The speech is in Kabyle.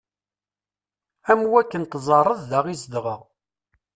Am wakken teẓẓareḍ da i zedɣeɣ.